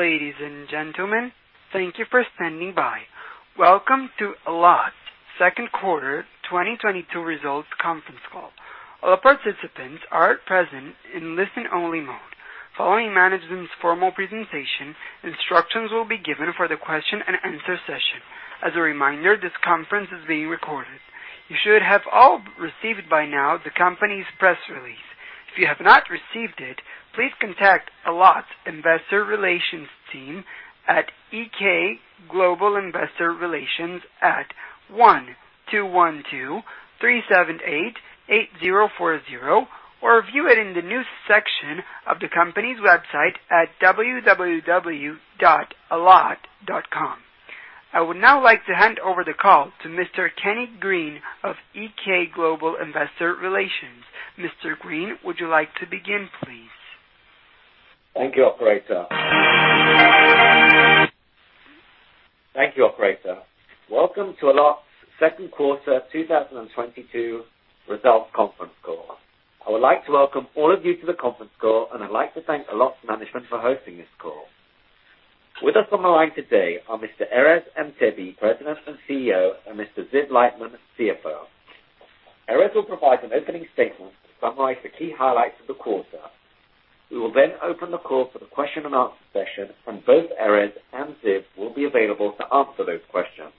Ladies and gentlemen, thank you for standing by. Welcome to Allot second quarter 2022 results conference call. All participants are at present in listen-only mode. Following management's formal presentation, instructions will be given for the question and answer session. As a reminder, this conference is being recorded. You should have all received by now the company's press release. If you have not received it, please contact Allot investor relations team at GK Global Investor Relations at 1-212-378-8040 or view it in the news section of the company's website at www.allot.com. I would now like to hand over the call to Mr. Kenny Green of GK Global Investor Relations. Mr. Green, would you like to begin, please? Thank you, operator. Welcome to Allot's second quarter 2022 results conference call. I would like to welcome all of you to the conference call, and I'd like to thank Allot management for hosting this call. With us on the line today are Mr. Erez Antebi, President and CEO, and Mr. Ziv Leitman, CFO. Erez will provide an opening statement to summarize the key highlights of the quarter. We will then open the call for the question and answer session, and both Erez and Ziv will be available to answer those questions.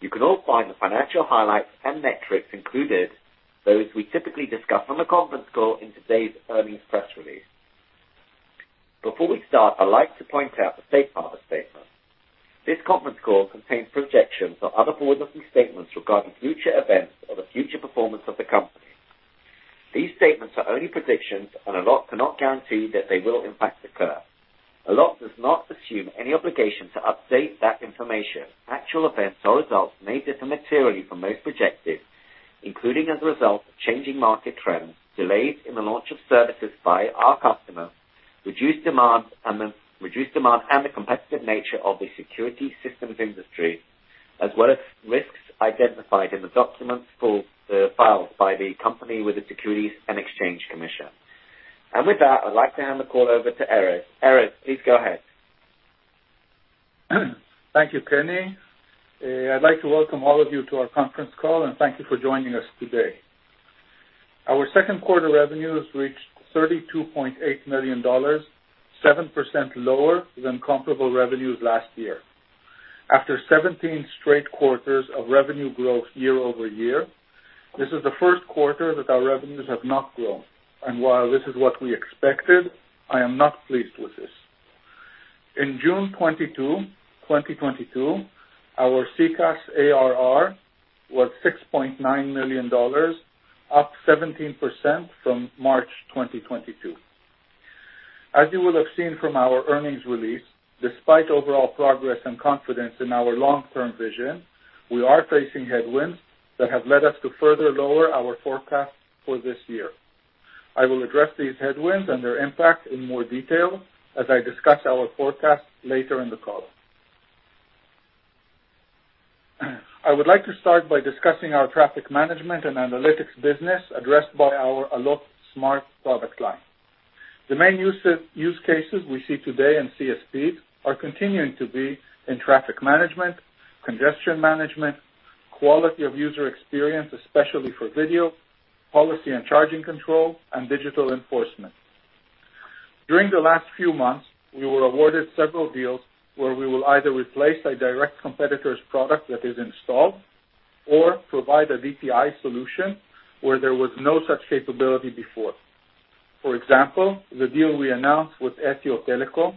You can all find the financial highlights and metrics included, those we typically discuss on the conference call in today's earnings press release. Before we start, I'd like to point out the safe harbor statement. This conference call contains projections or other forward-looking statements regarding future events or the future performance of the company. These statements are only predictions, and Allot cannot guarantee that they will in fact occur. Allot does not assume any obligation to update that information. Actual events or results may differ materially from those projected, including as a result of changing market trends, delays in the launch of services by our customers, reduced demand and the competitive nature of the security systems industry, as well as risks identified in the documents filed by the company with the Securities and Exchange Commission. With that, I'd like to hand the call over to Erez. Erez, please go ahead. Thank you, Kenny. I'd like to welcome all of you to our conference call, and thank you for joining us today. Our second quarter revenues reached $32.8 million, 7% lower than comparable revenues last year. After 17 straight quarters of revenue growth year-over-year, this is the first quarter that our revenues have not grown, and while this is what we expected, I am not pleased with this. In June 22, 2022, our CCaaS ARR was $6.9 million, up 17% from March 2022. As you will have seen from our earnings release, despite overall progress and confidence in our long-term vision, we are facing headwinds that have led us to further lower our forecast for this year. I will address these headwinds and their impact in more detail as I discuss our forecast later in the call. I would like to start by discussing our traffic management and analytics business addressed by our Allot Smart product line. The main use cases we see today in CSPs are continuing to be in traffic management, congestion management, quality of user experience, especially for video, policy and charging control, and digital enforcement. During the last few months, we were awarded several deals where we will either replace a direct competitor's product that is installed or provide a DPI solution where there was no such capability before. For example, the deal we announced with Ethio Telecom,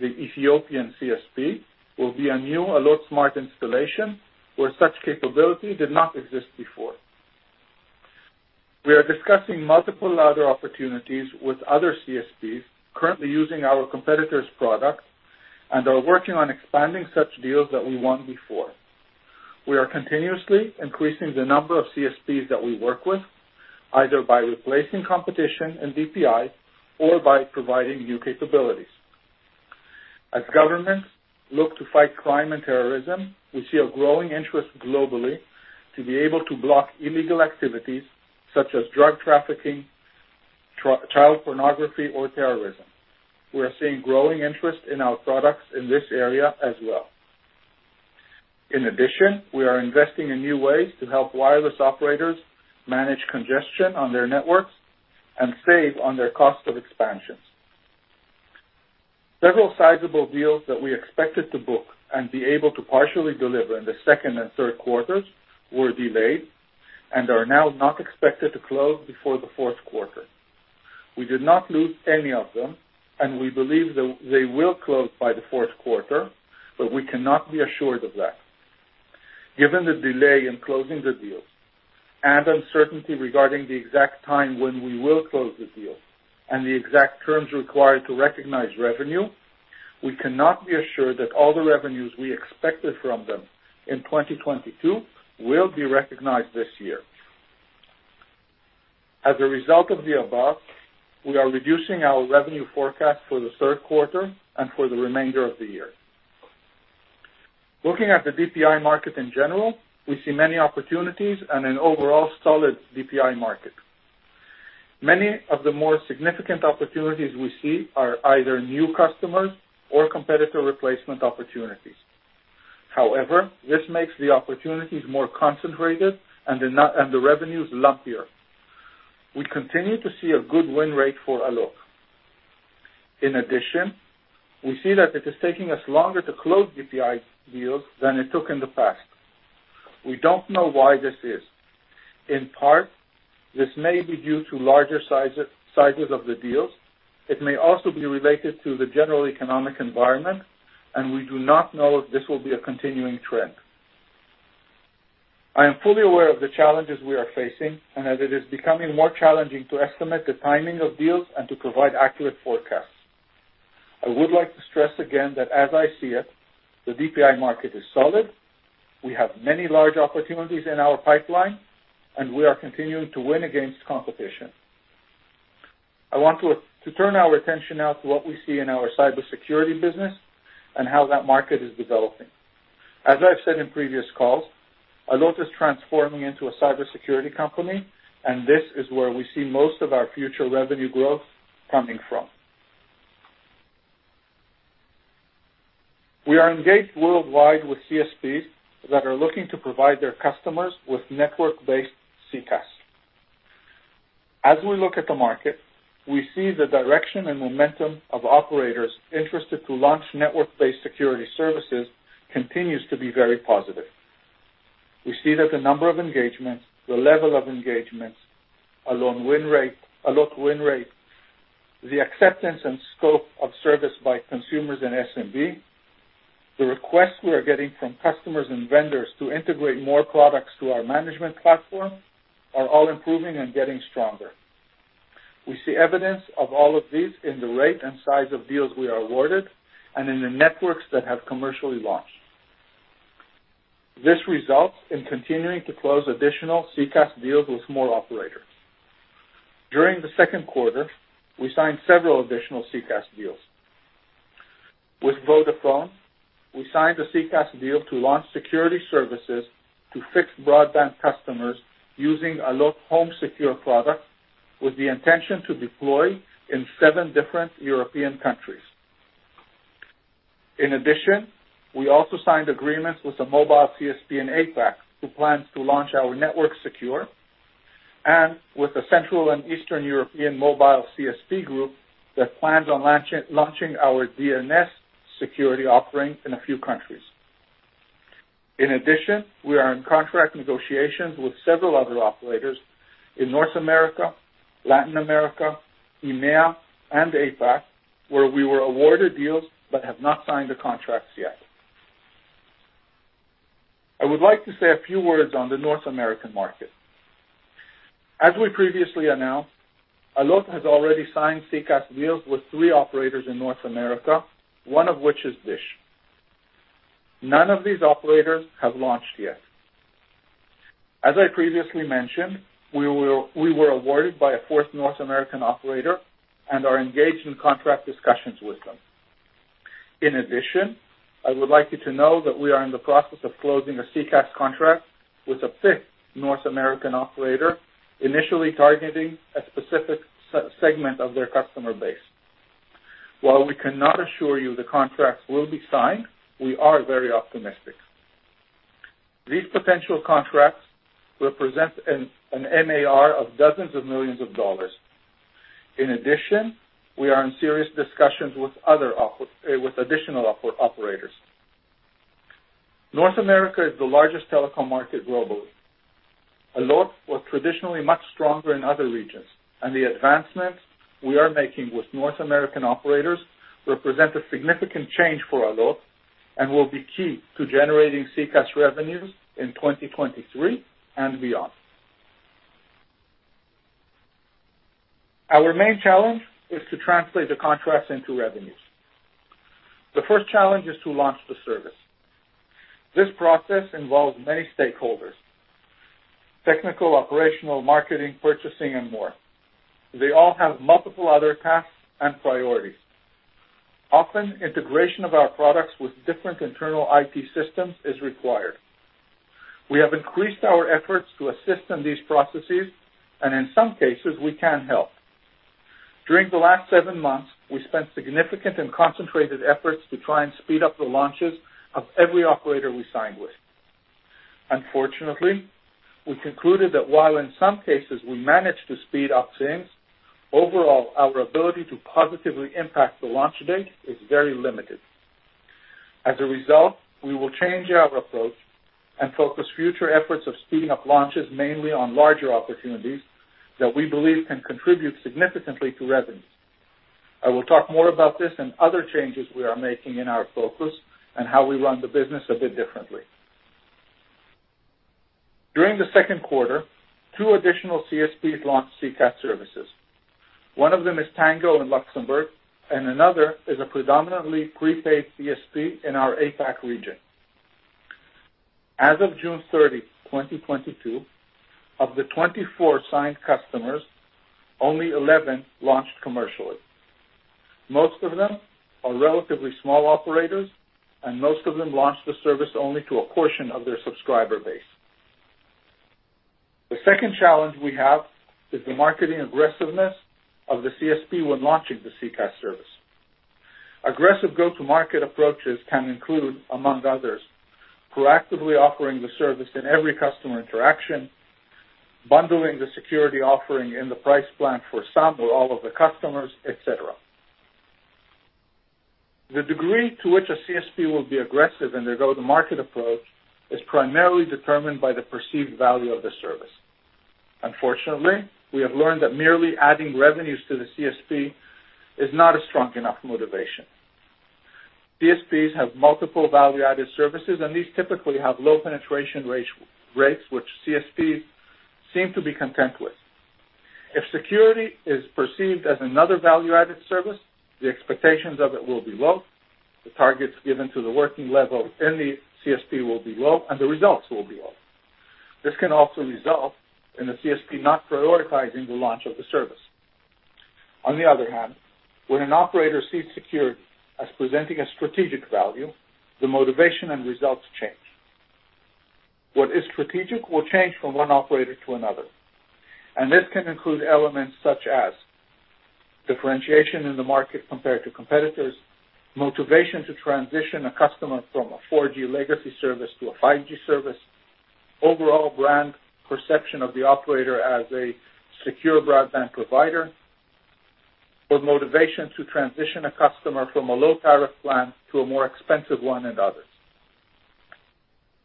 the Ethiopian CSP, will be a new Allot Smart installation where such capability did not exist before. We are discussing multiple other opportunities with other CSPs currently using our competitor's products and are working on expanding such deals that we won before. We are continuously increasing the number of CSPs that we work with, either by replacing competition in DPI or by providing new capabilities. As governments look to fight crime and terrorism, we see a growing interest globally to be able to block illegal activities such as drug trafficking, child pornography or terrorism. We are seeing growing interest in our products in this area as well. In addition, we are investing in new ways to help wireless operators manage congestion on their networks and save on their cost of expansions. Several sizable deals that we expected to book and be able to partially deliver in the second and third quarters were delayed and are now not expected to close before the fourth quarter. We did not lose any of them, and we believe they will close by the fourth quarter, but we cannot be assured of that. Given the delay in closing the deals and uncertainty regarding the exact time when we will close the deals and the exact terms required to recognize revenue, we cannot be assured that all the revenues we expected from them in 2022 will be recognized this year. As a result of the above, we are reducing our revenue forecast for the third quarter and for the remainder of the year. Looking at the DPI market in general, we see many opportunities and an overall solid DPI market. Many of the more significant opportunities we see are either new customers or competitor replacement opportunities. However, this makes the opportunities more concentrated and the revenues lumpier. We continue to see a good win rate for Allot. In addition, we see that it is taking us longer to close DPI deals than it took in the past. We don't know why this is. In part, this may be due to larger sizes of the deals. It may also be related to the general economic environment, and we do not know if this will be a continuing trend. I am fully aware of the challenges we are facing and that it is becoming more challenging to estimate the timing of deals and to provide accurate forecasts. I would like to stress again that as I see it, the DPI market is solid. We have many large opportunities in our pipeline, and we are continuing to win against competition. I want to turn our attention now to what we see in our cybersecurity business and how that market is developing. As I've said in previous calls, Allot is transforming into a cybersecurity company, and this is where we see most of our future revenue growth coming from. We are engaged worldwide with CSPs that are looking to provide their customers with network-based CCaaS. As we look at the market, we see the direction and momentum of operators interested to launch network-based security services continues to be very positive. We see that the number of engagements, the level of engagements, Allot win rate, the acceptance and scope of service by consumers and SMB, the requests we are getting from customers and vendors to integrate more products to our management platform are all improving and getting stronger. We see evidence of all of these in the rate and size of deals we are awarded and in the networks that have commercially launched. This results in continuing to close additional CCaaS deals with more operators. During the second quarter, we signed several additional CCaaS deals. With Vodafone, we signed a CCaaS deal to launch security services to fixed broadband customers using Allot HomeSecure product with the intention to deploy in seven different European countries. In addition, we also signed agreements with a mobile CSP in APAC who plans to launch our NetworkSecure, and with the Central and Eastern European mobile CSP group that plans on launching our DNSSecure offering in a few countries. In addition, we are in contract negotiations with several other operators in North America, Latin America, EMEA, and APAC, where we were awarded deals but have not signed the contracts yet. I would like to say a few words on the North American market. As we previously announced, Allot has already signed CCaaS deals with three operators in North America, one of which is Dish. None of these operators have launched yet. As I previously mentioned, we were awarded by a fourth North American operator and are engaged in contract discussions with them. In addition, I would like you to know that we are in the process of closing a CCaaS contract with a fifth North American operator, initially targeting a specific segment of their customer base. While we cannot assure you the contracts will be signed, we are very optimistic. These potential contracts represent an MAR of dozens of millions of dollars. In addition, we are in serious discussions with additional operators. North America is the largest telecom market globally. Allot was traditionally much stronger in other regions, and the advancements we are making with North American operators represent a significant change for Allot and will be key to generating CCaaS revenues in 2023 and beyond. Our main challenge is to translate the contracts into revenues. The first challenge is to launch the service. This process involves many stakeholders, technical, operational, marketing, purchasing, and more. They all have multiple other tasks and priorities. Often, integration of our products with different internal IT systems is required. We have increased our efforts to assist in these processes, and in some cases, we can help. During the last seven months, we spent significant and concentrated efforts to try and speed up the launches of every operator we signed with. Unfortunately, we concluded that while in some cases we managed to speed up things, overall, our ability to positively impact the launch date is very limited. As a result, we will change our approach and focus future efforts of speeding up launches mainly on larger opportunities that we believe can contribute significantly to revenues. I will talk more about this and other changes we are making in our focus and how we run the business a bit differently. During the second quarter, two additional CSPs launched CCaaS services. One of them is Tango in Luxembourg, and another is a predominantly prepaid CSP in our APAC region. As of June 30, 2022, of the 24 signed customers, only 11 launched commercially. Most of them are relatively small operators, and most of them launched the service only to a portion of their subscriber base. The second challenge we have is the marketing aggressiveness of the CSP when launching the CCaaS service. Aggressive go-to-market approaches can include, among others, proactively offering the service in every customer interaction, bundling the security offering in the price plan for some or all of the customers, et cetera. The degree to which a CSP will be aggressive in their go-to-market approach is primarily determined by the perceived value of the service. Unfortunately, we have learned that merely adding revenues to the CSP is not a strong enough motivation. CSPs have multiple value-added services, and these typically have low penetration take rates which CSPs seem to be content with. If security is perceived as another value-added service, the expectations of it will be low, the targets given to the working level in the CSP will be low, and the results will be low. This can also result in the CSP not prioritizing the launch of the service. On the other hand, when an operator sees security as presenting a strategic value, the motivation and results change. What is strategic will change from one operator to another, and this can include elements such as differentiation in the market compared to competitors, motivation to transition a customer from a 4G legacy service to a 5G service, overall brand perception of the operator as a secure broadband provider, or motivation to transition a customer from a low-tariff plan to a more expensive one, and others.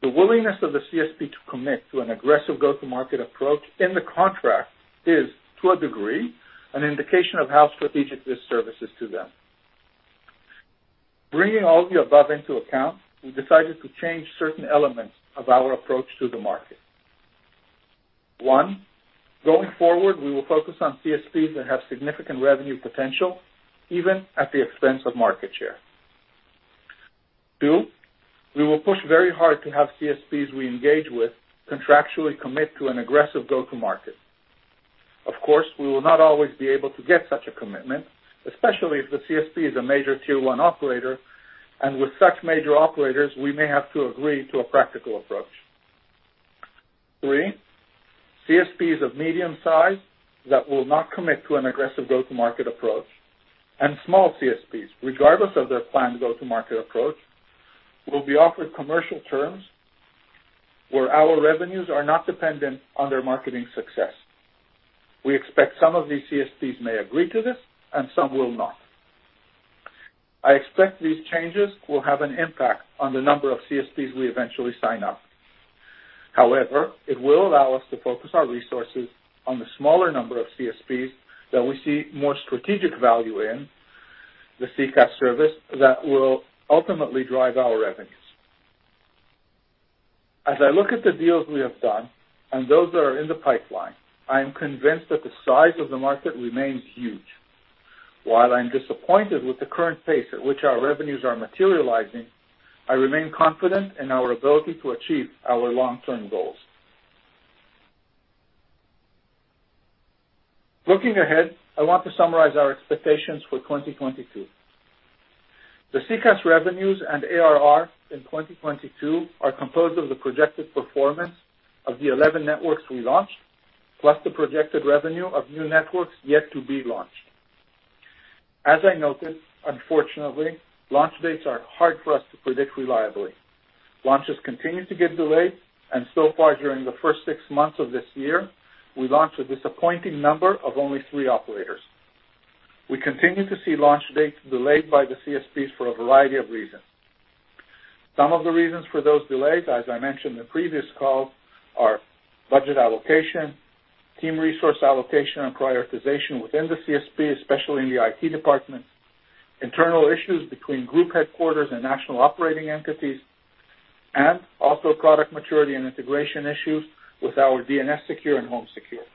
The willingness of the CSP to commit to an aggressive go-to-market approach in the contract is, to a degree, an indication of how strategic this service is to them. Bringing all of the above into account, we decided to change certain elements of our approach to the market. One, going forward, we will focus on CSPs that have significant revenue potential, even at the expense of market share. Two, we will push very hard to have CSPs we engage with contractually commit to an aggressive go-to-market. Of course, we will not always be able to get such a commitment, especially if the CSP is a major tier-one operator, and with such major operators, we may have to agree to a practical approach. Three, CSPs of medium size that will not commit to an aggressive go-to-market approach, and small CSPs, regardless of their planned go-to-market approach, will be offered commercial terms where our revenues are not dependent on their marketing success. We expect some of these CSPs may agree to this and some will not. I expect these changes will have an impact on the number of CSPs we eventually sign up. However, it will allow us to focus our resources on the smaller number of CSPs that we see more strategic value in the CCaaS service that will ultimately drive our revenues. As I look at the deals we have done and those that are in the pipeline, I am convinced that the size of the market remains huge. While I'm disappointed with the current pace at which our revenues are materializing, I remain confident in our ability to achieve our long-term goals. Looking ahead, I want to summarize our expectations for 2022. The CCaaS revenues and ARR in 2022 are composed of the projected performance of the 11 networks we launched, plus the projected revenue of new networks yet to be launched. As I noted, unfortunately, launch dates are hard for us to predict reliably. Launches continue to get delayed, and so far, during the first six months of this year, we launched a disappointing number of only three operators. We continue to see launch dates delayed by the CSPs for a variety of reasons. Some of the reasons for those delays, as I mentioned in previous calls, are budget allocation, team resource allocation, and prioritization within the CSP, especially in the IT department, internal issues between group headquarters and national operating entities, and also product maturity and integration issues with our DNSSecure and HomeSecure.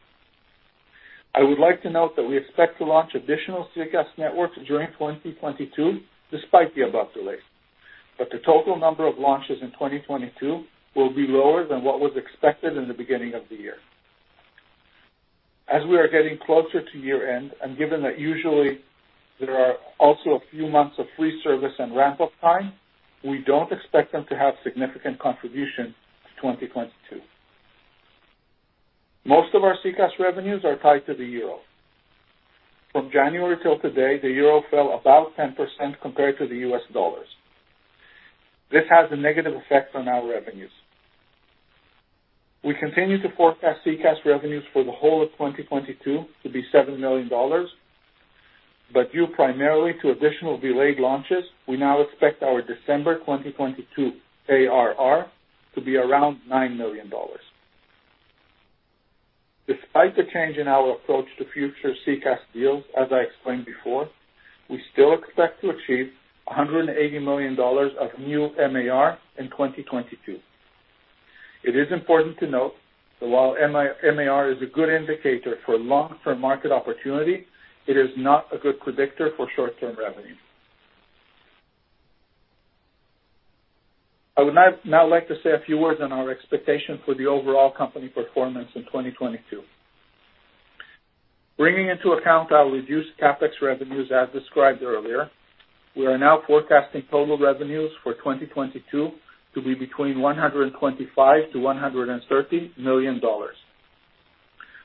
I would like to note that we expect to launch additional CCaaS networks during 2022, despite the above delays, but the total number of launches in 2022 will be lower than what was expected in the beginning of the year. As we are getting closer to year-end, and given that usually there are also a few months of free service and ramp-up time, we don't expect them to have significant contribution to 2022. Most of our CCaaS revenues are tied to the euro. From January till today, the euro fell about 10% compared to the US dollar. This has a negative effect on our revenues. We continue to forecast CCaaS revenues for the whole of 2022 to be $7 million, but due primarily to additional delayed launches, we now expect our December 2022 ARR to be around $9 million. Despite the change in our approach to future CCaaS deals, as I explained before, we still expect to achieve $180 million of new MAR in 2022. It is important to note that while M-MAR is a good indicator for long-term market opportunity, it is not a good predictor for short-term revenue. I would now like to say a few words on our expectation for the overall company performance in 2022. Bringing into account our reduced CapEx revenues as described earlier, we are now forecasting total revenues for 2022 to be between $125-$130 million.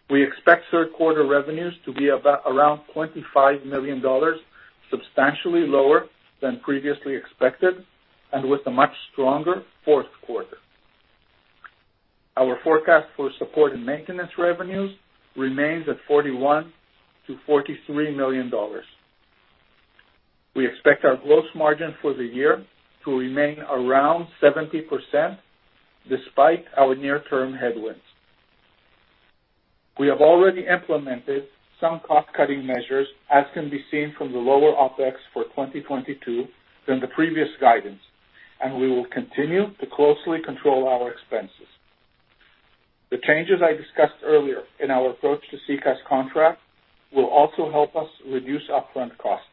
We expect third quarter revenues to be around $25 million, substantially lower than previously expected and with a much stronger fourth quarter. Our forecast for support and maintenance revenues remains at $41-$43 million. We expect our gross margin for the year to remain around 70% despite our near-term headwinds. We have already implemented some cost-cutting measures, as can be seen from the lower OpEx for 2022 than the previous guidance, and we will continue to closely control our expenses. The changes I discussed earlier in our approach to CCaaS contract will also help us reduce upfront costs.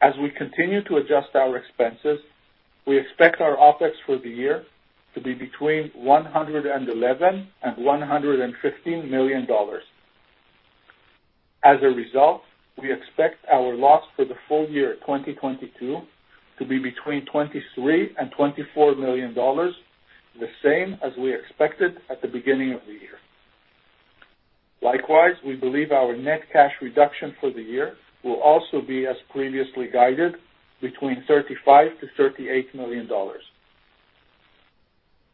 As we continue to adjust our expenses, we expect our OpEx for the year to be between $111 million and $115 million. As a result, we expect our loss for the full year 2022 to be between $23 million and $24 million, the same as we expected at the beginning of the year. Likewise, we believe our net cash reduction for the year will also be as previously guided, between $35-$38 million.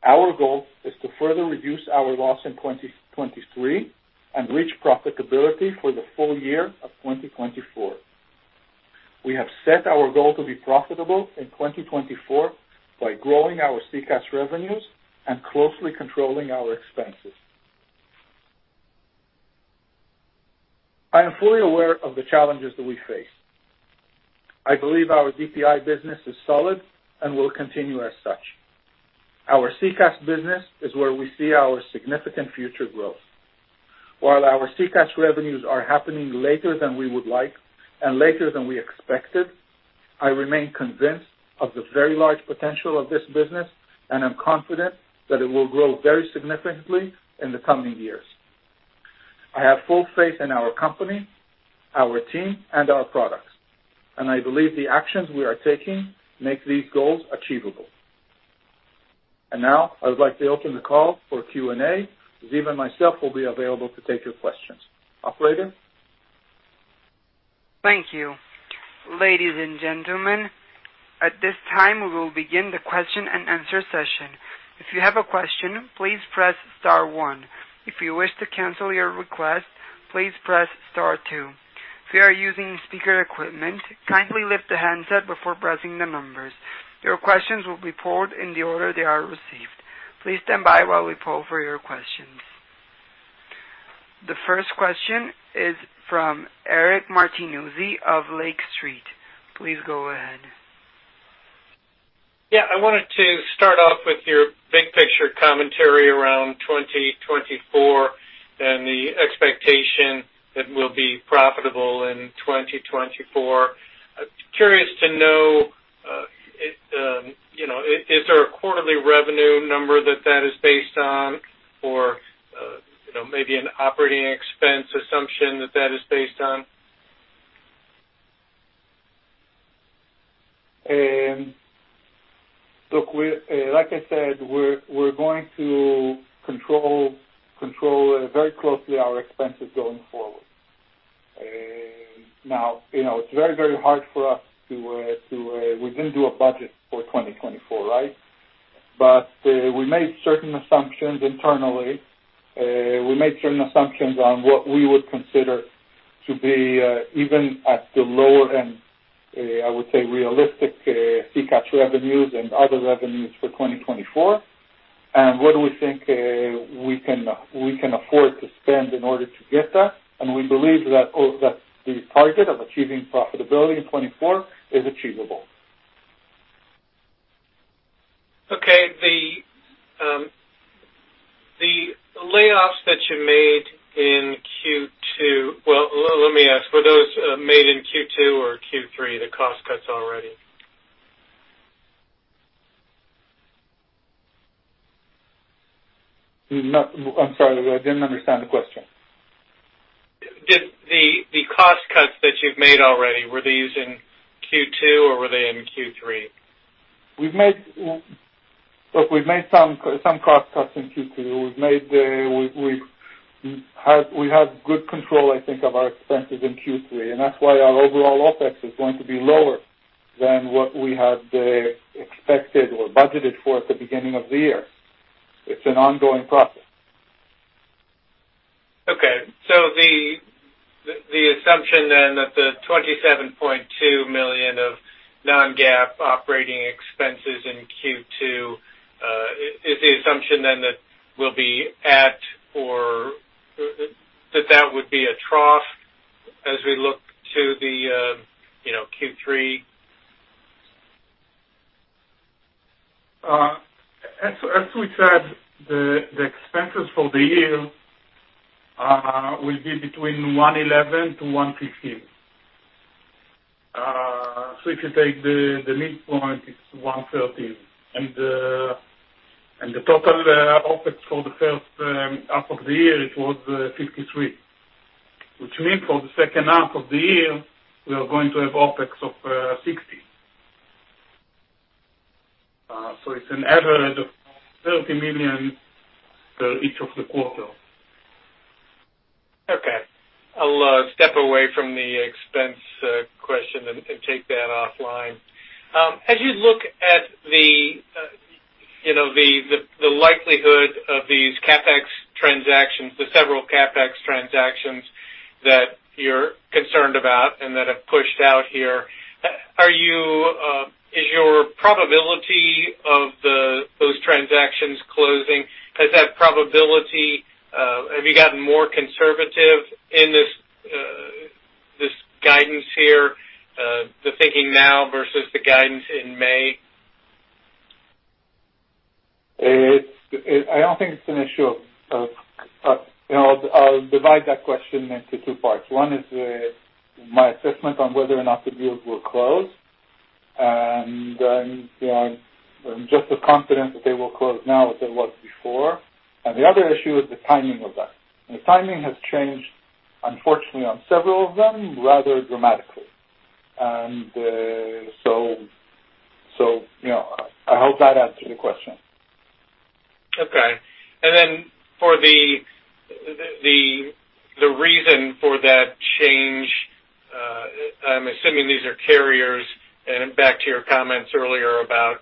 Our goal is to further reduce our loss in 2023 and reach profitability for the full year of 2024. We have set our goal to be profitable in 2024 by growing our CCaaS revenues and closely controlling our expenses. I am fully aware of the challenges that we face. I believe our DPI business is solid and will continue as such. Our CCaaS business is where we see our significant future growth. While our CCaaS revenues are happening later than we would like and later than we expected, I remain convinced of the very large potential of this business, and I'm confident that it will grow very significantly in the coming years. I have full faith in our company, our team, and our products, and I believe the actions we are taking make these goals achievable. Now I would like to open the call for Q&A. Ziv Leyes and myself will be available to take your questions. Operator? Thank you. Ladies and gentlemen, at this time, we will begin the question-and-answer session. If you have a question, please press star one. If you wish to cancel your request, please press star two. If you are using speaker equipment, kindly lift the handset before pressing the numbers. Your questions will be pulled in the order they are received. Please stand by while we pull for your questions. The first question is from Eric Martinuzzi of Lake Street. Please go ahead. Yeah. I wanted to start off with your big picture commentary around 2024 and the expectation that we'll be profitable in 2024. Curious to know, you know, is there a quarterly revenue number that is based on or, you know, maybe an operating expense assumption that is based on? Look, like I said, we're going to control very closely our expenses going forward. Now, you know, it's very hard for us. We didn't do a budget for 2024, right? We made certain assumptions internally. We made certain assumptions on what we would consider to be, even at the lower end, I would say realistic, SECaaS revenues and other revenues for 2024, and what we think we can afford to spend in order to get that. We believe that the target of achieving profitability in 2024 is achievable. Okay. The layoffs that you made in Q2. Well, let me ask, were those made in Q2 or Q3, the cost cuts already? No. I'm sorry. I didn't understand the question. Did the cost cuts that you've made already, were these in Q2 or were they in Q3? Look, we've made some cost cuts in Q2. We had good control, I think, of our expenses in Q3, and that's why our overall OpEx is going to be lower than what we had expected or budgeted for at the beginning of the year. It's an ongoing process. Okay. The assumption then that the $27.2 million of non-GAAP operating expenses in Q2 would be a trough as we look to Q3. As we said, the expenses for the year will be between $111-$115. If you take the midpoint, it's $113. The total OpEx for the first half of the year it was $53. Which means for the second half of the year, we are going to have OpEx of $60. It's an average of $30 million per each of the quarters. Okay. I'll step away from the expense question and take that offline. As you look at the likelihood of these CapEx transactions, the several CapEx transactions that you're concerned about and that have pushed out here, is your probability of those transactions closing, has that probability, have you gotten more conservative in this guidance here, the thinking now versus the guidance in May? It's I don't think it's an issue of. You know, I'll divide that question into two parts. One is my assessment on whether or not the deals will close, and then, you know, I'm just as confident that they will close now as I was before. The other issue is the timing of that. The timing has changed, unfortunately on several of them, rather dramatically. So, you know, I hope that answers your question. Okay. For the reason for that change, I'm assuming these are carriers, and back to your comments earlier about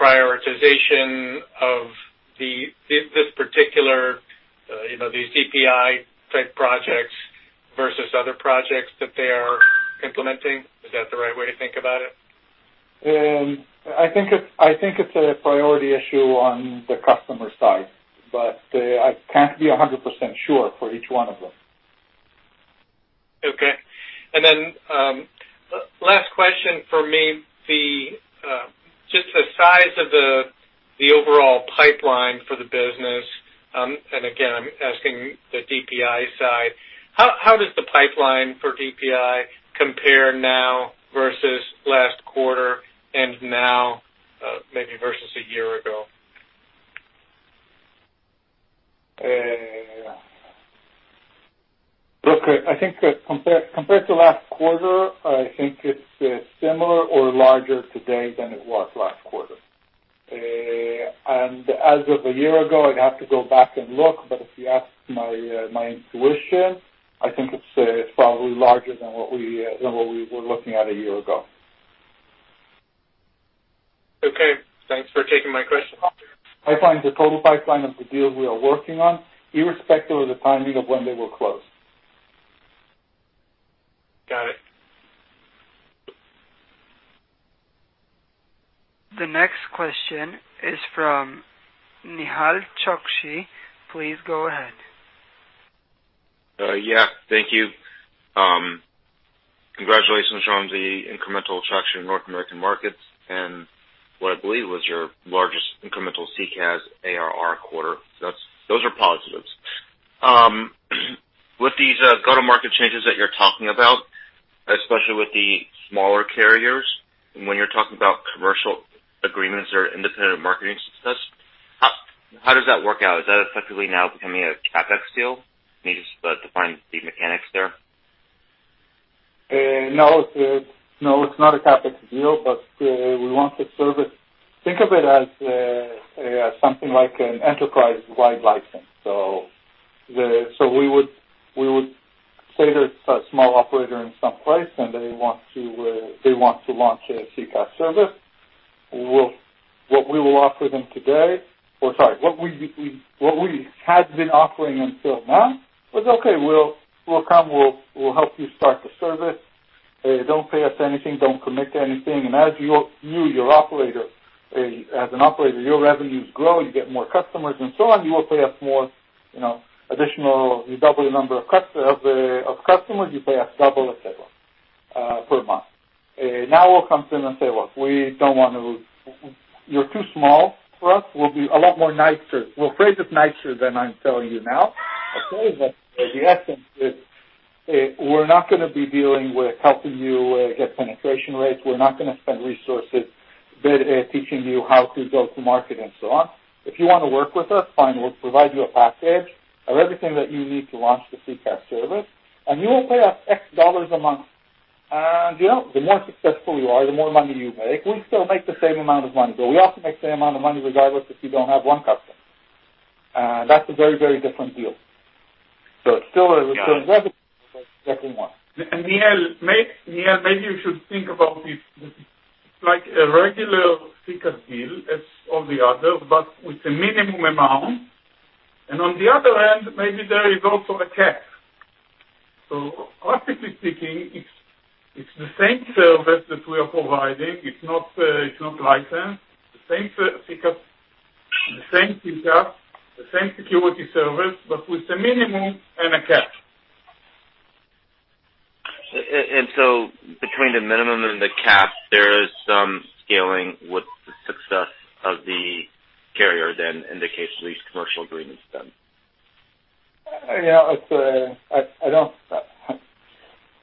prioritization of this particular, you know, these DPI-type projects versus other projects that they are implementing. Is that the right way to think about it? I think it's a priority issue on the customer side, but I can't be 100% sure for each one of them. Okay. Last question from me. Just the size of the overall pipeline for the business, and again, I'm asking the DPI side. How does the pipeline for DPI compare now versus last quarter and now, maybe versus a year ago? Look, I think that compared to last quarter, I think it's similar or larger today than it was last quarter. As of a year ago, I'd have to go back and look, but if you ask my intuition, I think it's probably larger than what we were looking at a year ago. Okay. Thanks for taking my question. Pipeline, the total pipeline of the deals we are working on, irrespective of the timing of when they will close. Got it. The next question is from Nehal Chokshi. Please go ahead. Yeah. Thank you. Congratulations on the incremental traction in North American markets and what I believe was your largest incremental SECaaS ARR quarter. That's. Those are positives. With these go-to-market changes that you're talking about, especially with the smaller carriers, and when you're talking about commercial agreements or independent marketing success, how does that work out? Is that effectively now becoming a CapEx deal? Can you just define the mechanics there? No, it's not a CapEx deal, but we want to service. Think of it as something like an enterprise-wide license. So we would say that a small operator in some place and they want to launch a SECaaS service. What we had been offering until now was, okay, we'll help you start the service. Don't pay us anything, don't commit anything. As your operator, as an operator, your revenues grow, you get more customers and so on, you will pay us more, you know, additional. You double the number of customers, you pay us double, et cetera, per month. Now we'll come to them and say, "Look, we don't want to. You're too small for us. We'll be a lot more nicer." We'll phrase it nicer than I'm telling you now. Okay. The essence is, we're not gonna be dealing with helping you get penetration rates. We're not gonna spend resources teaching you how to go to market and so on. If you wanna work with us, fine. We'll provide you a package of everything that you need to launch the SECaaS service, and you will pay us $X a month. You know, the more successful you are, the more money you make, we still make the same amount of money. We also make the same amount of money regardless if you don't have one customer. That's a very, very different deal. It's still, we're still one. Nehal, maybe you should think about this like a regular SECaaS deal as all the others, but with a minimum amount. On the other end, maybe there is also a cap. Practically speaking, it's the same service that we are providing. It's not licensed. The same SECaaS, the same security service, but with a minimum and a cap. Between the minimum and the cap, there is some scaling with the success of the carrier, then in the case of these commercial agreements.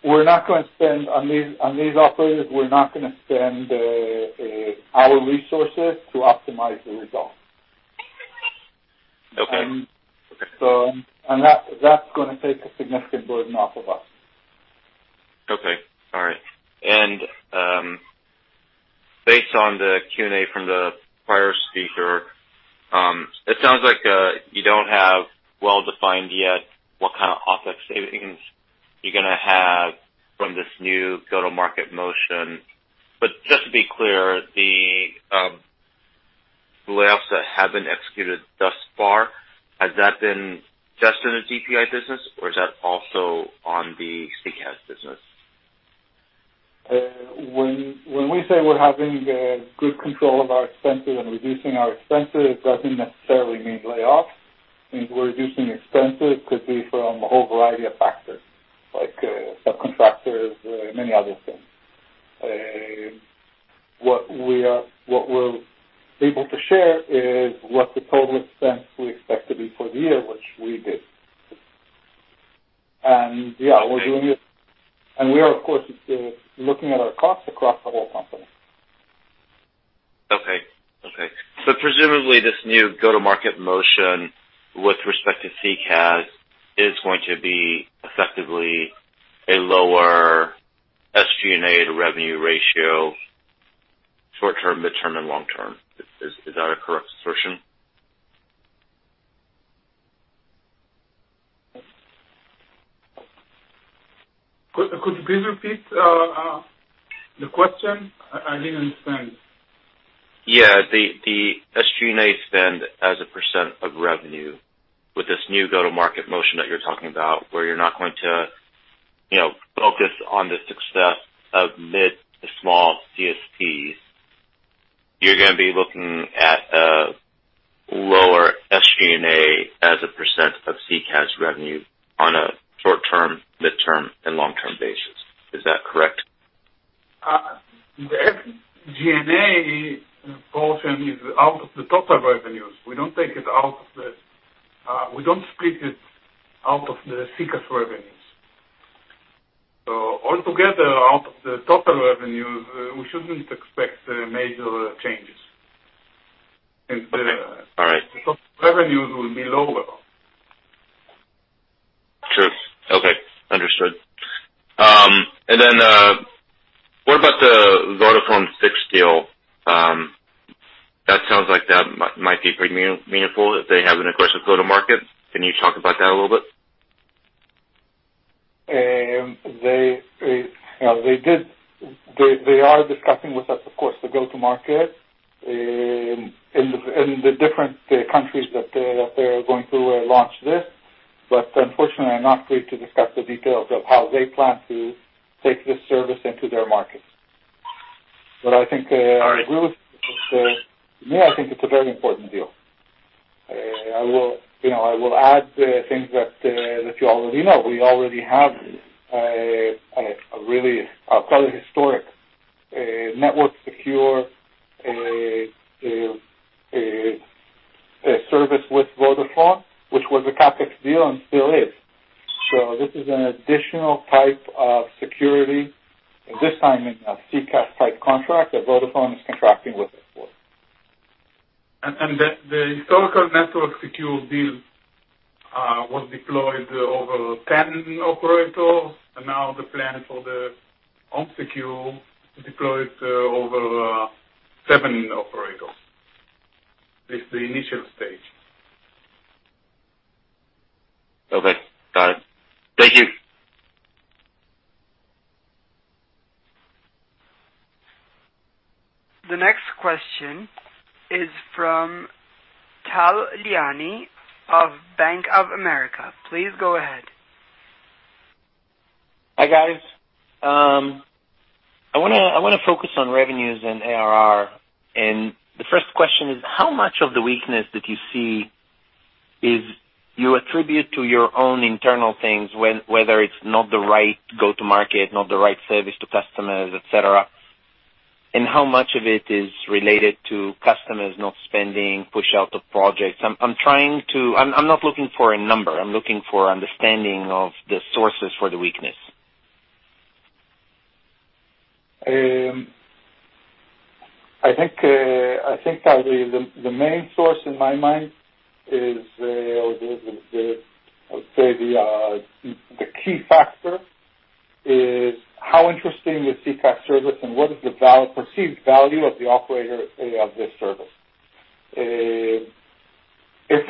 We're not gonna spend our resources on these operators to optimize the results. Okay. That's gonna take a significant burden off of us. Okay. All right. Based on the Q&A from the prior speaker, it sounds like you don't have well-defined yet what kind of OpEx savings you're gonna have from this new go-to-market motion. But just to be clear, the layoffs that have been executed thus far, has that been just in the DPI business, or is that also on the SECaaS business? When we say we're having good control of our expenses and reducing our expenses, it doesn't necessarily mean layoffs. Means we're reducing expenses, could be from a whole variety of factors, like subcontractors, many other things. What we're able to share is what the total expense we expect to be for the year, which we did. Yeah, we're doing it. We are, of course, looking at our costs across the whole company. Okay. Presumably this new go-to-market motion with respect to SECaaS is going to be effectively a lower SG&A to revenue ratio short-term, midterm, and long-term. Is that a correct assertion? Could you please repeat the question? I didn't understand. Yeah. The SG&A spend as a percent of revenue with this new go-to-market motion that you're talking about where you're not going to, you know, focus on the success of mid to small CSPs, you're gonna be looking at a lower SG&A as a percent of SECaaS revenue on a short-term, midterm, and long-term basis. Is that correct? The SG&A portion is out of the total revenues. We don't split it out of the SECaaS revenues. Altogether, out of the total revenue, we shouldn't expect major changes. Okay. All right. Since the revenues will be lower. True. Okay. Understood. What about the Vodafone 6 deal? That sounds like that might be pretty meaningful if they have an aggressive go-to-market. Can you talk about that a little bit? You know, they did. They are discussing with us, of course, the go-to-market in the different countries that they're going to launch this. Unfortunately, I'm not free to discuss the details of how they plan to take this service into their markets. I think All right. I agree. I think it's a very important deal. I will, you know, add things that you already know. We already have a really quite historic NetworkSecure service with Vodafone, which was a CapEx deal and still is. This is an additional type of security, this time in a CCaaS-type contract that Vodafone is contracting with us for. The historical NetworkSecure deal was deployed over 10 operators, and now the plan for the HomeSecure is deployed over seven operators. This is the initial stage. Okay. Got it. Thank you. The next question is from Tal Liani of Bank of America. Please go ahead. Hi, guys. I wanna focus on revenues and ARR. The first question is, how much of the weakness that you see is you attribute to your own internal things, whether it's not the right go-to market, not the right service to customers, et cetera, and how much of it is related to customers not spending, push out of projects? I'm trying to. I'm not looking for a number. I'm looking for understanding of the sources for the weakness. I think, Tal, the main source in my mind is the key factor is how interesting is CCaaS service and what is the perceived value of the operator, of this service. If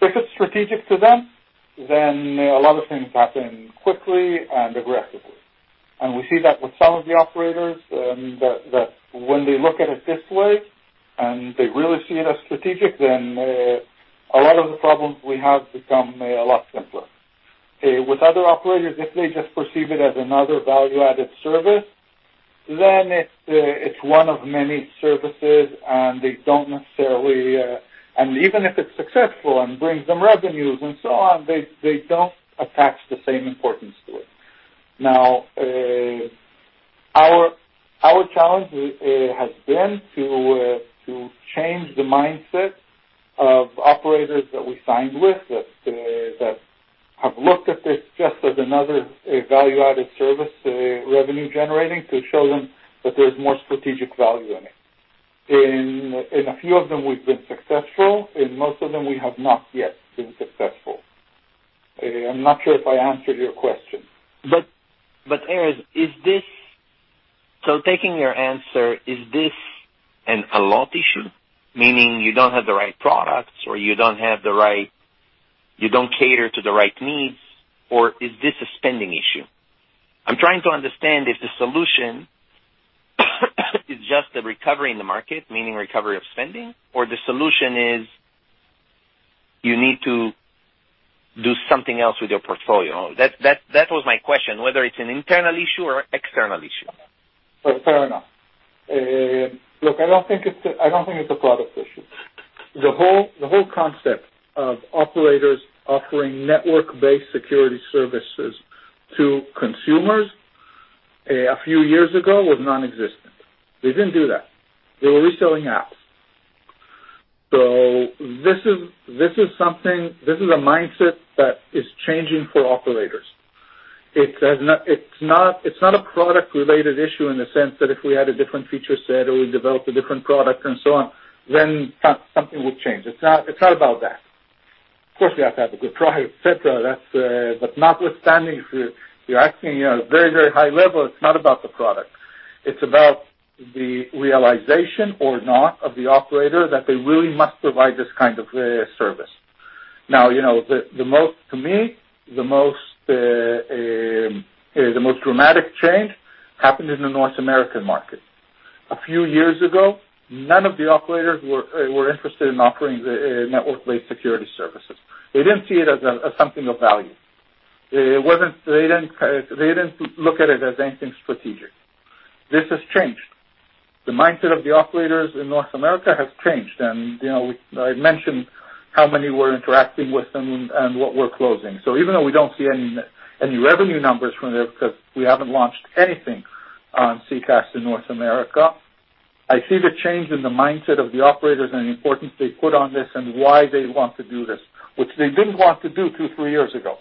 it's strategic to them, then a lot of things happen quickly and aggressively. We see that with some of the operators, that when they look at it this way, and they really see it as strategic, then a lot of the problems we have become a lot simpler. With other operators, if they just perceive it as another value-added service. Then it's one of many services, and they don't necessarily. Even if it's successful and brings them revenues and so on, they don't attach the same importance to it. Now, our challenge it has been to change the mindset of operators that we signed with that have looked at this just as another value-added service, revenue generating, to show them that there's more strategic value in it. In a few of them, we've been successful. In most of them, we have not yet been successful. I'm not sure if I answered your question. Erez, is this an Allot issue? Meaning you don't have the right products or you don't have the right, you don't cater to the right needs, or is this a spending issue? I'm trying to understand if the solution is just the recovery in the market, meaning recovery of spending, or the solution is you need to do something else with your portfolio. That was my question, whether it's an internal issue or external issue. Fair enough. Look, I don't think it's a product issue. The whole concept of operators offering network-based security services to consumers a few years ago was nonexistent. They didn't do that. They were reselling apps. This is a mindset that is changing for operators. It's not a product-related issue in the sense that if we had a different feature set or we developed a different product and so on, then something would change. It's not about that. Of course, we have to have a good product, et cetera. That's. Notwithstanding, if you're asking, you know, at a very, very high level, it's not about the product. It's about the realization or not of the operator, that they really must provide this kind of service. Now, you know, to me, the most dramatic change happened in the North American market. A few years ago, none of the operators were interested in offering network-based security services. They didn't see it as something of value. They didn't look at it as anything strategic. This has changed. The mindset of the operators in North America has changed, and, you know, I mentioned how many we're interacting with and what we're closing. So even though we don't see any revenue numbers from this, 'cause we haven't launched anything on CKAST in North America, I see the change in the mindset of the operators and the importance they put on this and why they want to do this, which they didn't want to do two, three years ago.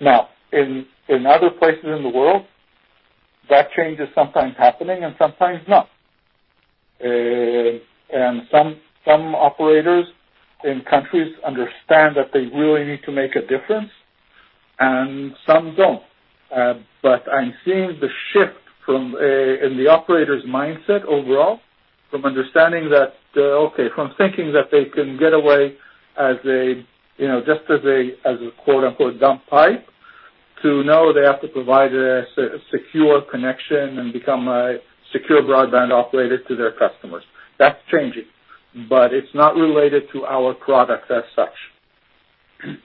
Now, in other places in the world, that change is sometimes happening and sometimes not. Some operators in countries understand that they really need to make a difference, and some don't. I'm seeing the shift from in the operator's mindset overall, from understanding that, okay, from thinking that they can get away as a, you know, just as a, as a, quote-unquote, "dumb pipe," to know they have to provide a secure connection and become a secure broadband operator to their customers. That's changing, but it's not related to our products as such. Can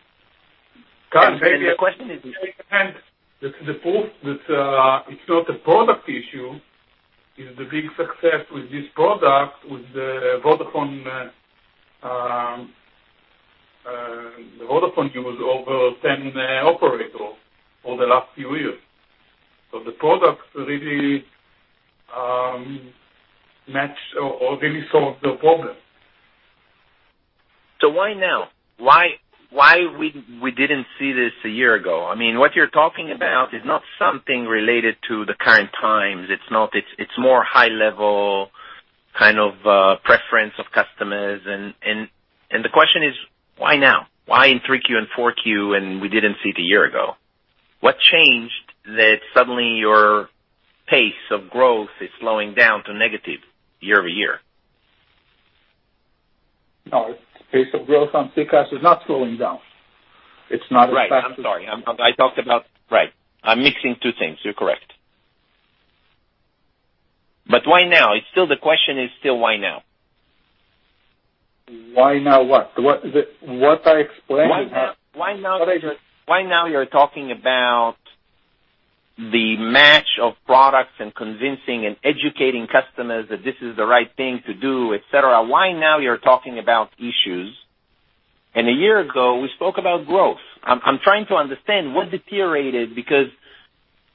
I- The question is. The proof that it's not a product issue is the big success with this product with Vodafone used over 10 operators for the last few years. The product really matched or really solved the problem. Why now? Why didn't we see this a year ago? I mean, what you're talking about is not something related to the current times. It's not. It's more high level kind of preference of customers. And the question is, why now? Why in 3Q and 4Q, and we didn't see it a year ago? What changed that suddenly your pace of growth is slowing down to negative year-over-year? No, pace of growth on CCaaS is not slowing down. Right. I'm sorry. Right. I'm mixing two things. You're correct. Why now? It's still the question is still why now? What I explained. Why now? Sorry. Why now you're talking about the match of products and convincing and educating customers that this is the right thing to do, et cetera. Why now you're talking about issues, and a year ago, we spoke about growth? I'm trying to understand what deteriorated. Because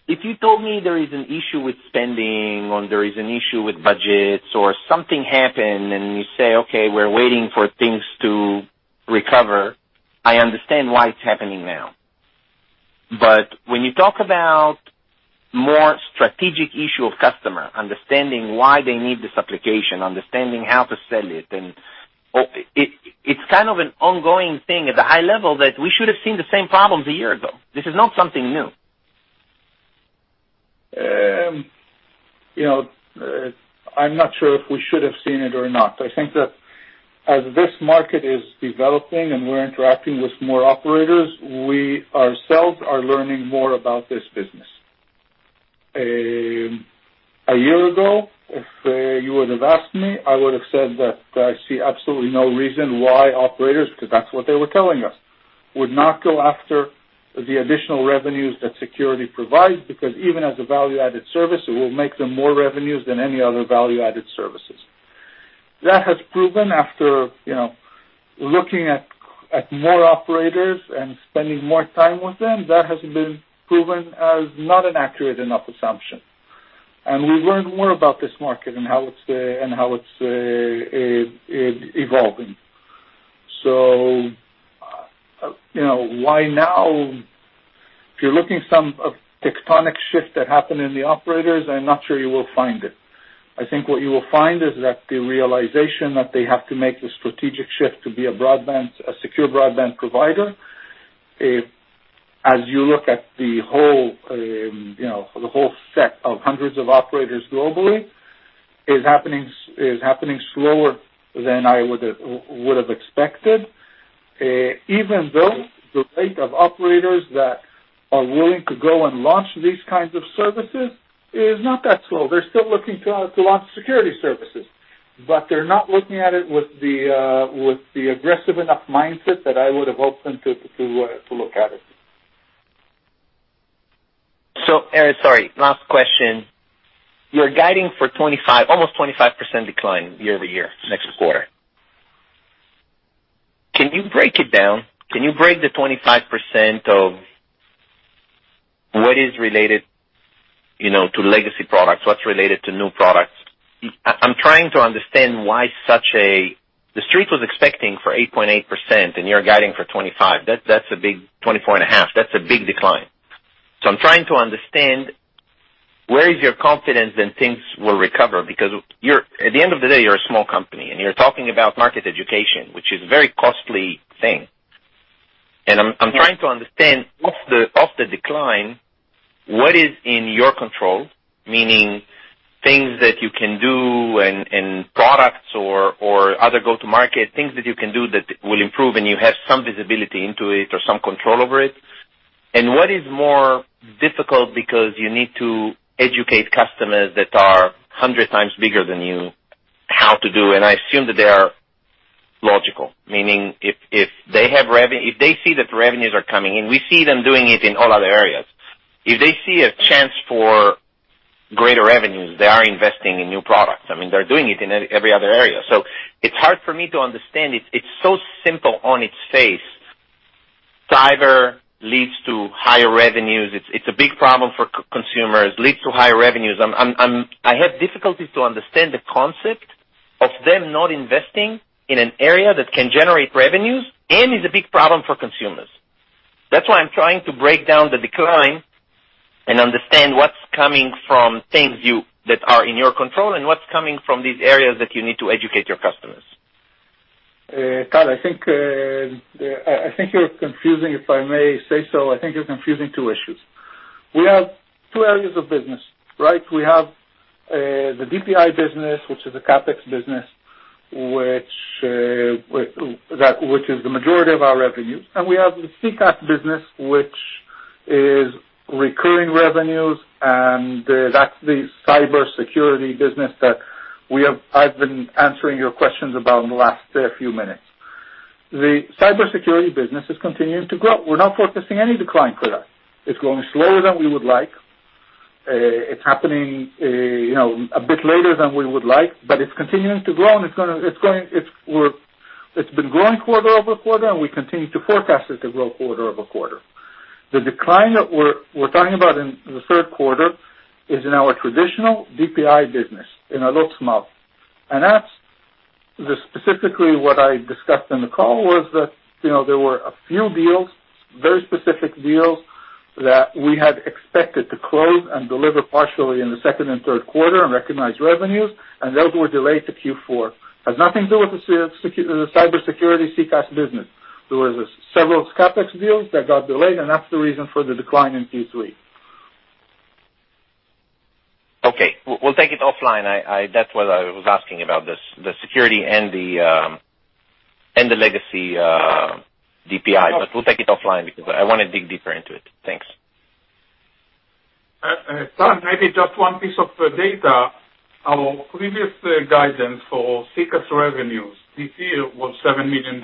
if you told me there is an issue with spending or there is an issue with budgets or something happened, and you say, "Okay, we're waiting for things to recover," I understand why it's happening now. When you talk about more strategic issue of customer, understanding why they need this application, understanding how to sell it, and, it's kind of an ongoing thing at the high level that we should have seen the same problems a year ago. This is not something new. You know, I'm not sure if we should have seen it or not. I think that as this market is developing and we're interacting with more operators, we ourselves are learning more about this business. A year ago, if you would have asked me, I would have said that I see absolutely no reason why operators, because that's what they were telling us, would not go after the additional revenues that security provides. Because even as a value-added service, it will make them more revenues than any other value-added services. That has proven after, you know, looking at more operators and spending more time with them, that has been proven as not an accurate enough assumption. We learned more about this market and how it's evolving. You know, why now? If you're looking for some of the tectonic shifts that happen in the operators, I'm not sure you will find it. I think what you will find is that the realization that they have to make the strategic shift to be a broadband, a secure broadband provider, as you look at the whole, you know, the whole set of hundreds of operators globally, is happening slower than I would have expected. Even though the rate of operators that are willing to go and launch these kinds of services is not that slow. They're still looking to launch security services. They're not looking at it with the aggressive enough mindset that I would have hoped them to look at it. Last question. You're guiding for 25, almost 25% decline year-over-year, next quarter. Can you break it down? Can you break the 25% of what is related, you know, to legacy products, what's related to new products? I'm trying to understand why such a. The Street was expecting for 8.8% and you're guiding for 25. That's a big 24.5. That's a big decline. I'm trying to understand where is your confidence that things will recover? Because at the end of the day, you're a small company and you're talking about market education, which is a very costly thing. I'm trying to understand of the decline, what is in your control, meaning things that you can do and products or other go-to-market things that you can do that will improve and you have some visibility into it or some control over it. What is more difficult because you need to educate customers that are hundred times bigger than you how to do, and I assume that they are logical. Meaning if they see that the revenues are coming in, we see them doing it in all other areas. If they see a chance for greater revenues, they are investing in new products. I mean, they're doing it in every other area. It's hard for me to understand. It's so simple on its face. Cyber leads to higher revenues. It's a big problem for consumers, leads to higher revenues. I have difficulties to understand the concept of them not investing in an area that can generate revenues and is a big problem for consumers. That's why I'm trying to break down the decline and understand what's coming from things that are in your control and what's coming from these areas that you need to educate your customers. Tal, I think you're confusing, if I may say so, two issues. We have two areas of business, right? We have the DPI business, which is a CapEx business, which is the majority of our revenues, and we have the CCaaS business, which is recurring revenues, and that's the cybersecurity business that we have. I've been answering your questions about in the last few minutes. The cybersecurity business is continuing to grow. We're not forecasting any decline for that. It's growing slower than we would like. It's happening, you know, a bit later than we would like, but it's continuing to grow, and it's been growing quarter-over-quarter, and we continue to forecast it to grow quarter-over-quarter. The decline that we're talking about in the third quarter is in our traditional DPI business, in Allot Smart. That's specifically what I discussed in the call was that, you know, there were a few deals, very specific deals, that we had expected to close and deliver partially in the second and third quarter and recognize revenues, and those were delayed to Q4. Has nothing to do with the cybersecurity SECaaS business. There were several CapEx deals that got delayed, and that's the reason for the decline in Q3. Okay. We'll take it offline. That's what I was asking about, the security and the legacy DPI. We'll take it offline because I wanna dig deeper into it. Thanks. Tal, maybe just one piece of data. Our previous guidance for CCaaS revenues this year was $7 million,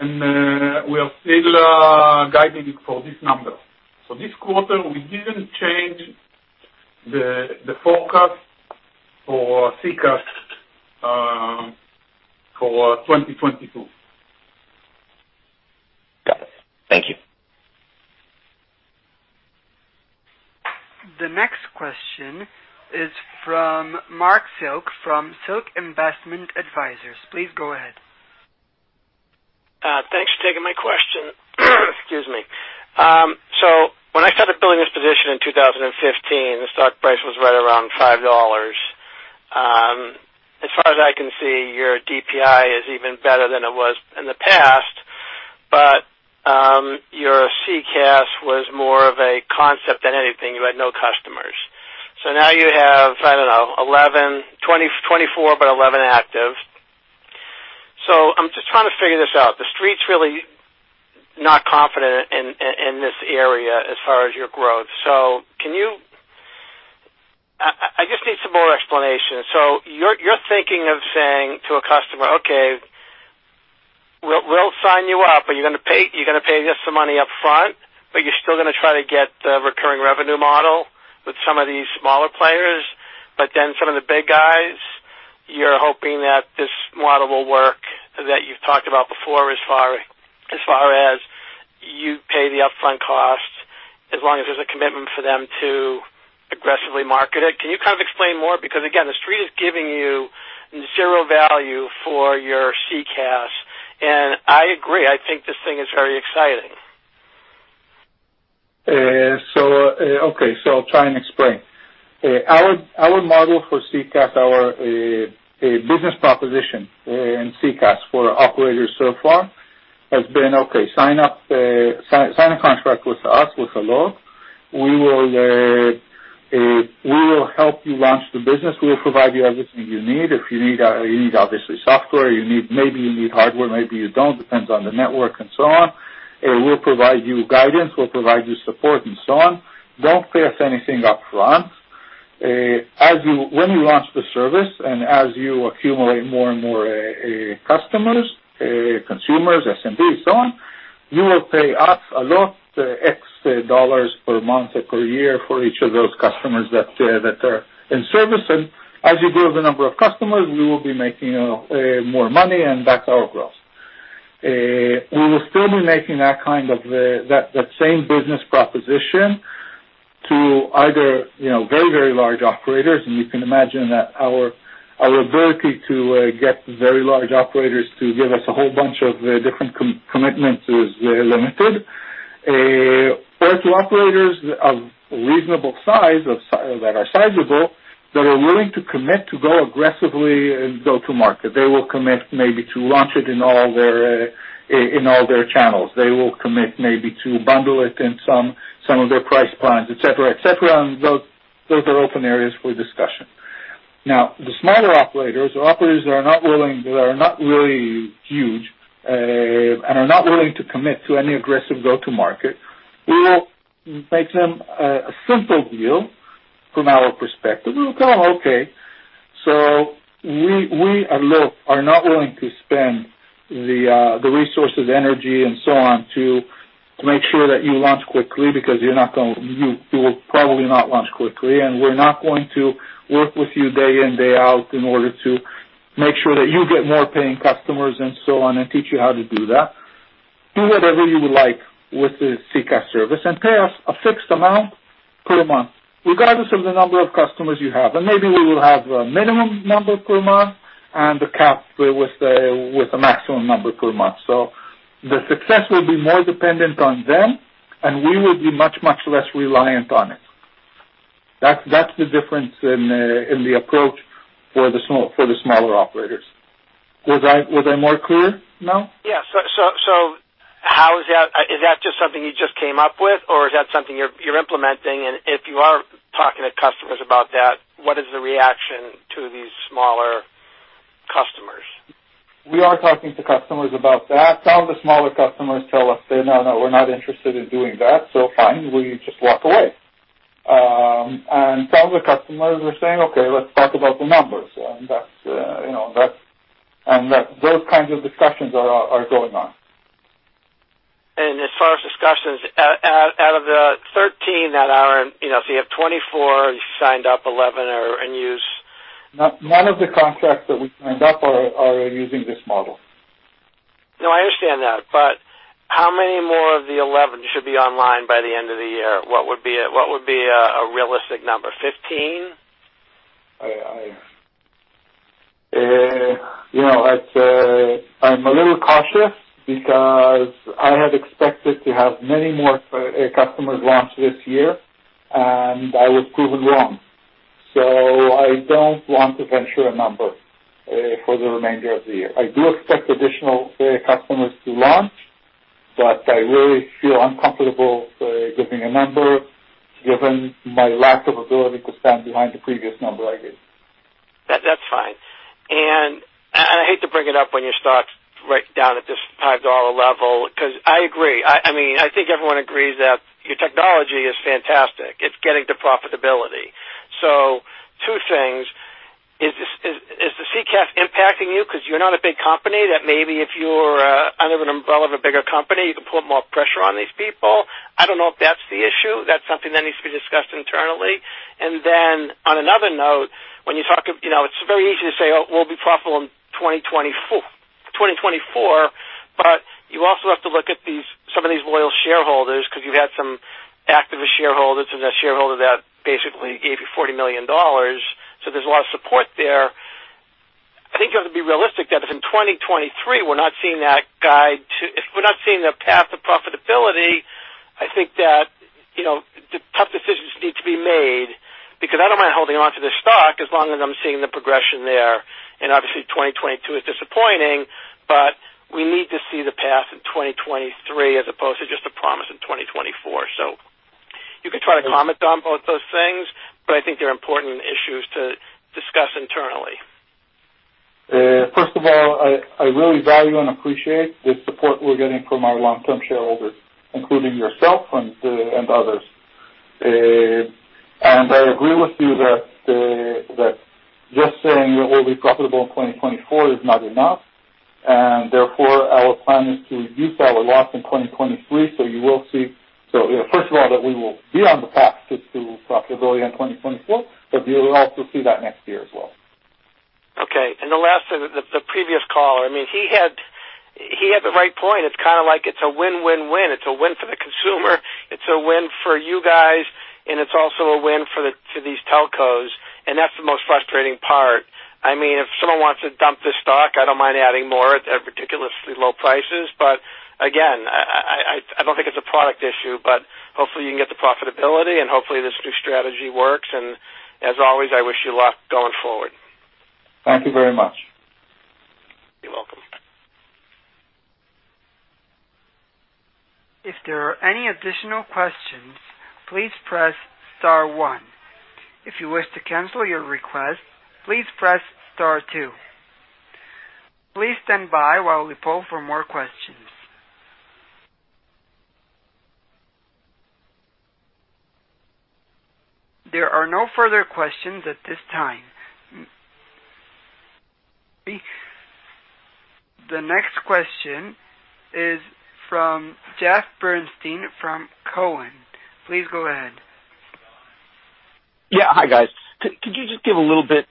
and we are still guiding it for this number. This quarter we didn't change the forecast for CCaaS for 2022. Got it. Thank you. The next question is from Marc Silk, from Silk Investment Advisors. Please go ahead. Thanks for taking my question. When I started building this position in 2015, the stock price was right around $5. As far as I can see, your DPI is even better than it was in the past. Your SECaaS was more of a concept than anything. You had no customers. Now you have, I don't know, 11, 24, but 11 active. Just trying to figure this out. The Street's really not confident in this area as far as your growth. I just need some more explanation. You're thinking of saying to a customer, "Okay, we'll sign you up, but you're gonna pay us some money up front," but you're still gonna try to get a recurring revenue model with some of these smaller players. Some of the big guys, you're hoping that this model will work that you've talked about before, as far as you pay the upfront cost, as long as there's a commitment for them to aggressively market it. Can you kind of explain more? Because again, the Street is giving you zero value for your SECaaS, and I agree. I think this thing is very exciting. I'll try and explain. Our model for SECaaS, our business proposition in SECaaS for operators so far has been, sign up, sign a contract with us, with Allot. We will help you launch the business. We will provide you everything you need. If you need, obviously, software, maybe you need hardware, maybe you don't, depends on the network and so on. We'll provide you guidance, we'll provide you support and so on. Don't pay us anything up front. When you launch the service and as you accumulate more and more customers, consumers, SMBs, so on, you will pay us a lot, X dollars per month or per year for each of those customers that are in service. As you grow the number of customers, we will be making more money, and that's our growth. We will still be making that kind of that same business proposition to either, you know, very large operators, and you can imagine that our ability to get very large operators to give us a whole bunch of different commitments is limited. Or to operators of reasonable size that are sizable, that are willing to commit to go aggressively and go to market. They will commit maybe to launch it in all their channels. They will commit maybe to bundle it in some of their price plans, et cetera, et cetera. Those are open areas for discussion. Now, the smaller operators or operators that are not willing, that are not really huge, and are not willing to commit to any aggressive go-to-market, we will make them a simple deal from our perspective. We will tell them, "Okay, we know you are not willing to spend the resources, energy and so on to make sure that you launch quickly because you will probably not launch quickly, and we're not going to work with you day in, day out in order to make sure that you get more paying customers and so on, and teach you how to do that. Do whatever you would like with the SECaaS service and pay us a fixed amount per month, regardless of the number of customers you have. Maybe we will have a minimum number per month and a cap with a maximum number per month." The success will be more dependent on them, and we will be much, much less reliant on it. That's the difference in the approach for the smaller operators. Was I more clear now? Is that just something you just came up with, or is that something you're implementing? If you are talking to customers about that, what is the reaction to these smaller customers? We are talking to customers about that. Some of the smaller customers tell us, say, "No, no, we're not interested in doing that." Fine, we just walk away. Some of the customers are saying, "Okay, let's talk about the numbers." That's, you know, those kinds of discussions are going on. As far as discussions out of the 13 that are in, you know, so you have 24, and you signed up 11 are in use. None of the contracts that we signed up are using this model. No, I understand that. How many more of the 11 should be online by the end of the year? What would be a realistic number? 15? You know, I'm a little cautious because I had expected to have many more customers launch this year, and I was proven wrong. I don't want to venture a number for the remainder of the year. I do expect additional customers to launch, but I really feel uncomfortable giving a number given my lack of ability to stand behind the previous number I gave. That's fine. I hate to bring it up when your stock's right down at this $5 level because I agree. I mean, I think everyone agrees that your technology is fantastic. It's getting to profitability. Two things. Is the SECaaS impacting you 'cause you're not a big company? That maybe if you're under an umbrella of a bigger company, you can put more pressure on these people. I don't know if that's the issue. That's something that needs to be discussed internally. On another note, when you talk of you know, it's very easy to say, "Oh, we'll be profitable in 2024," but you also have to look at some of these loyal shareholders because you've had some activist shareholders and a shareholder that basically gave you $40 million, so there's a lot of support there. I think you have to be realistic that if in 2023 we're not seeing the path to profitability, I think that, you know, the tough decisions need to be made because I don't mind holding on to this stock as long as I'm seeing the progression there. Obviously, 2022 is disappointing, but we need to see the path in 2023 as opposed to just a promise in 2024. You could try to comment on both those things, but I think they're important issues to discuss internally. First of all, I really value and appreciate the support we're getting from our long-term shareholders, including yourself and others. I agree with you that just saying we will be profitable in 2024 is not enough. Therefore, our plan is to reduce our loss in 2023. You will see that we will be on the path to profitability in 2024, but you will also see that next year as well. Okay. The last thing, the previous caller, I mean, he had the right point. It's kinda like it's a win-win-win. It's a win for the consumer, it's a win for you guys, and it's also a win for the telcos, and that's the most frustrating part. I mean, if someone wants to dump this stock, I don't mind adding more at ridiculously low prices. But again, I don't think it's a product issue, but hopefully you can get the profitability, and hopefully this new strategy works. As always, I wish you luck going forward. Thank you very much. You're welcome. If there are any additional questions, please press star one. If you wish to cancel your request, please press star two. Please stand by while we poll for more questions. There are no further questions at this time. The next question is from Jeff Bernstein from Cowen. Please go ahead. Yeah. Hi, guys. Could you just give a little bit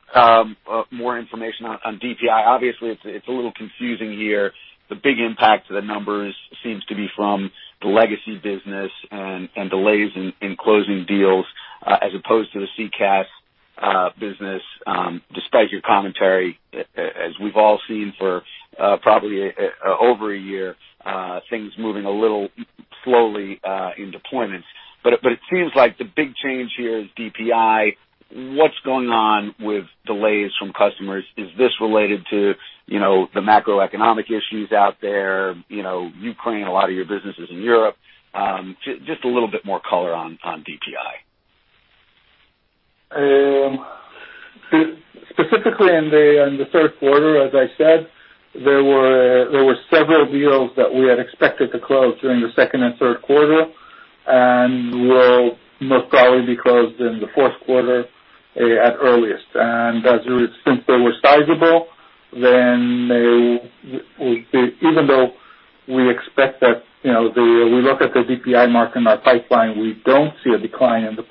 more information on DPI? Obviously, it's a little confusing here. The big impact to the numbers seems to be from the legacy business and delays in closing deals as opposed to the SECaaS business despite your commentary, as we've all seen for probably over a year, things moving a little slowly in deployments. It seems like the big change here is DPI. What's going on with delays from customers? Is this related to the macroeconomic issues out there? You know, Ukraine, a lot of your business is in Europe. Just a little bit more color on DPI. Specifically in the third quarter, as I said, there were several deals that we had expected to close during the second and third quarter and will most probably be closed in the fourth quarter, at earliest. Since they were sizable, then, even though we expect that, you know, we look at the DPI mark in our pipeline, we don't see a decline in the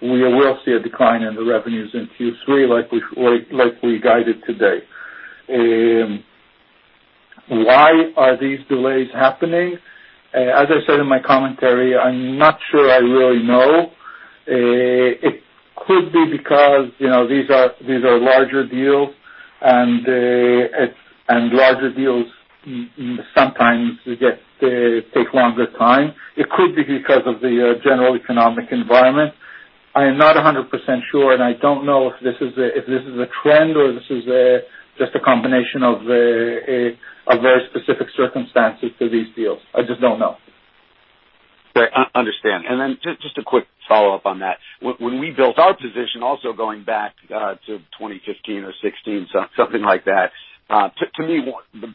pipeline. We will see a decline in the revenues in Q3 like we guided today. Why are these delays happening? As I said in my commentary, I'm not sure I really know. It could be because, you know, these are larger deals, and larger deals sometimes take longer time. It could be because of the general economic environment. I am not 100% sure, and I don't know if this is a trend or just a combination of a very specific circumstances to these deals. I just don't know. I understand. Just a quick follow-up on that. When we built our position also going back to 2015 or 2016, so something like that, to me,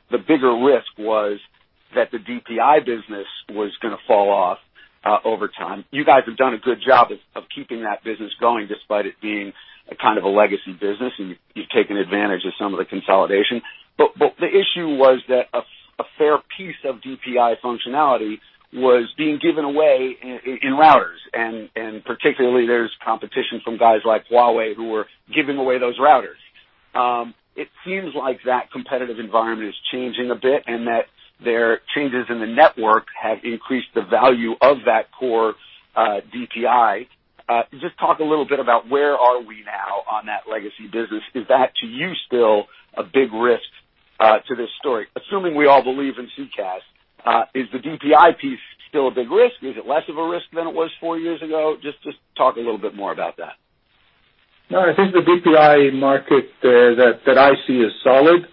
the bigger risk was that the DPI business was gonna fall off over time. You guys have done a good job of keeping that business going, despite it being a kind of a legacy business, and you've taken advantage of some of the consolidation. The issue was that a fair piece of DPI functionality was being given away in routers, and particularly there's competition from guys like Huawei who are giving away those routers. It seems like that competitive environment is changing a bit and that their changes in the network have increased the value of that core DPI. Just talk a little bit about where are we now on that legacy business. Is that, to you, still a big risk to this story? Assuming we all believe in SECaaS, is the DPI piece still a big risk? Is it less of a risk than it was four years ago? Just talk a little bit more about that. No, I think the DPI market that I see is solid.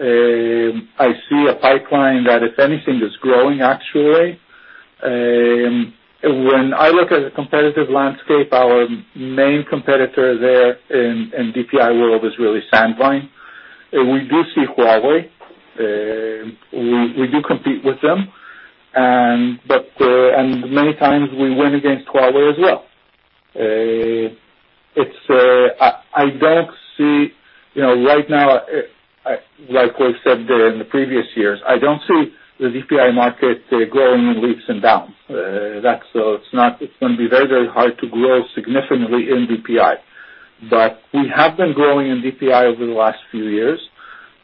I see a pipeline that, if anything, is growing actually. When I look at the competitive landscape, our main competitor there in DPI world is really Sandvine. We do see Huawei. We do compete with them. But many times we win against Huawei as well. I don't see, you know, right now, like we said there in the previous years, I don't see the DPI market growing in leaps and bounds. It's gonna be very, very hard to grow significantly in DPI. We have been growing in DPI over the last few years,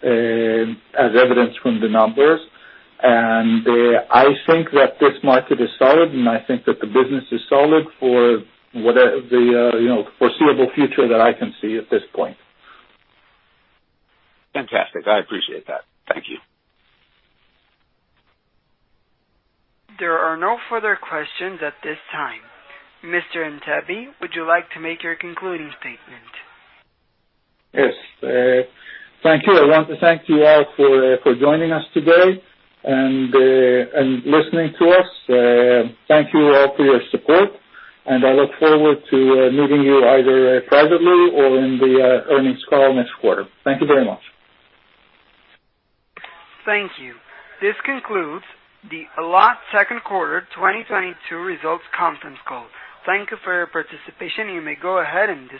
as evidenced from the numbers. I think that this market is solid, and I think that the business is solid for the, you know, foreseeable future that I can see at this point. Fantastic. I appreciate that. Thank you. There are no further questions at this time. Mr. Antebi, would you like to make your concluding statement? Yes. Thank you. I want to thank you all for joining us today and listening to us. Thank you all for your support, and I look forward to meeting you either privately or in the earnings call next quarter. Thank you very much. Thank you. This concludes the Allot second quarter 2022 results conference call. Thank you for your participation. You may go ahead and disconnect.